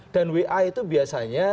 dan wa itu biasanya